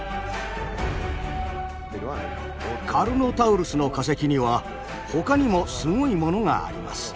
カルノタウルスの化石にはほかにもすごいものがあります。